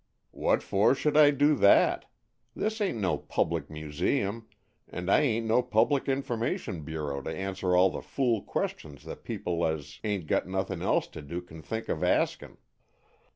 "What for should I do that? This ain't no public museum, and I ain't no public Information Bureau to answer all the fool questions that people as ain't got nothing else to do can think of asking."